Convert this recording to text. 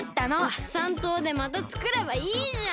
ワッサン島でまたつくればいいじゃん。